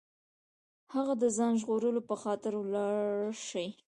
هغه د ځان ژغورلو په خاطر ولاړ شي.